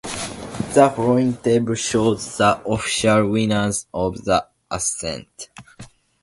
The following table shows the official winners of the Ascent.